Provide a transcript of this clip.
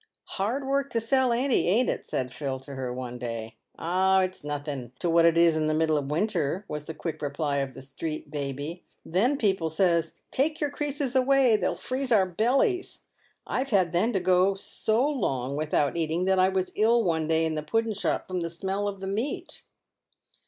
" Hard work to sell any, ain't it ?" said Phil to her one day. 11 Ah! it's nothing to what it is in the middle of winter," was the quick reply of the street baby ;" Then people says, * take your creases away, they'll freeze our bellies.' I've had then to go so long without eating that I was ill one day in the puddin.shop from the smell of the meat."